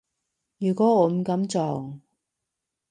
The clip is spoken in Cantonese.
如果我唔噉做